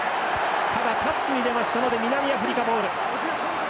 タッチに出ましたので南アフリカボール。